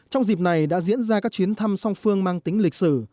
trong dịp này đã diễn ra các chuyến thăm song phương mang tính lịch sử